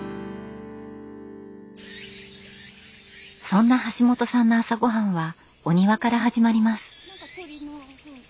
そんなはしもとさんの朝ごはんはお庭から始まります。